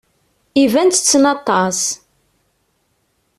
Iban ttettem aṭas.